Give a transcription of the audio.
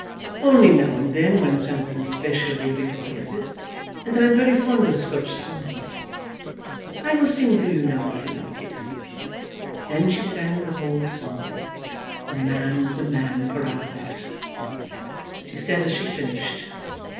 "Only now and then when something specially requires it. And I am very fond of Scotch songs. I will sing to you now if you like it." Then she sang the whole song, "A man's a man for a' that," she said as she finished.